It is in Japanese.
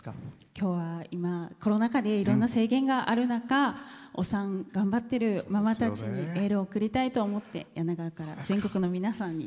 きょうはコロナ禍でいろんな制限がある中お産を頑張ってるママたちにエールを送りたいと思って柳川から全国の皆さんに。